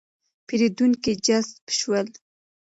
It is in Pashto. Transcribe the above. پېرېدونکي جذب شول.